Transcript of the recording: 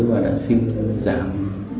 và đã xin giảm